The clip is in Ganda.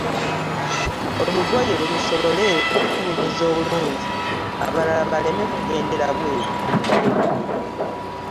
Olugoye lusobole okubuniza obulungi abalala baleme kugendera bweru.